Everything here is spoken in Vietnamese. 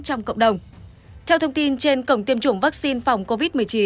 theo thông tin trên cổng tiêm chủng vaccine phòng covid một mươi chín